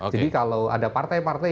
jadi kalau ada partai partai